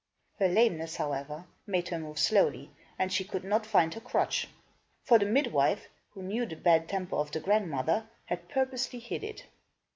Her lameness, however, made her move slowly, and she could not find her crutch; for the midwife, who knew the bad temper of the grandmother, had purposely hid it.